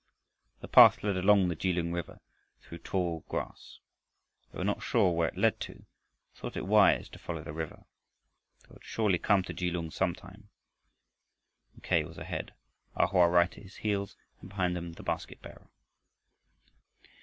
The path led along the Kelung river, through tall grass. They were not sure where it led to, but thought it wise to follow the river; they would surely come to Kelung some time. Mackay was ahead, A Hoa right at his heels, and behind them the basketbearer.